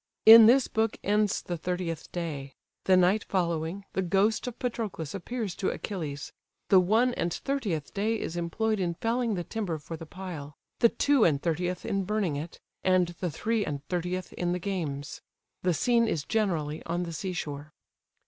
In this book ends the thirtieth day. The night following, the ghost of Patroclus appears to Achilles: the one and thirtieth day is employed in felling the timber for the pile: the two and thirtieth in burning it; and the three and thirtieth in the games. The scene is generally on the sea shore.